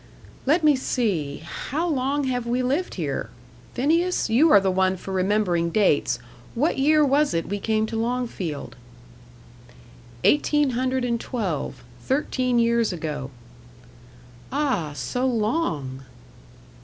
"Let me see how long have we lived here? Phineas, you are the one for remembering dates. What year was it we came to Longfield?" "Eighteen hundred and twelve. Thirteen years ago." "Ah, so long!"